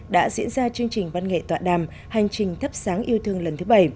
đã diễn ra chương trình văn nghệ tọa đàm hành trình thắp sáng yêu thương lần thứ bảy